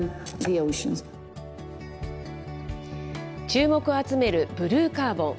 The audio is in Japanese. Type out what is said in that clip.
注目を集めるブルーカーボン。